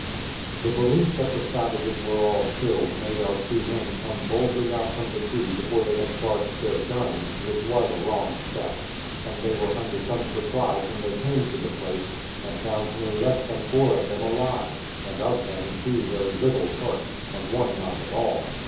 The belief that the savages were all killed made our two men come boldly out from the tree before they had charged their guns, which was a wrong step; and they were under some surprise when they came to the place, and found no less than four of them alive, and of them two very little hurt, and one not at all.